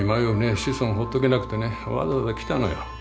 子孫をほっとけなくてねわざわざ来たのよ。